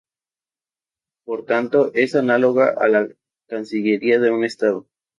Por tanto, es análoga a la cancillería de un estado.